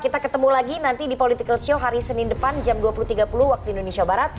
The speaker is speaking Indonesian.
kita ketemu lagi nanti di politikalsio hari senin depan jam dua puluh tiga puluh wib